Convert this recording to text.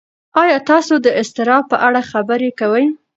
ایا تاسو د اضطراب په اړه خبرې کوئ؟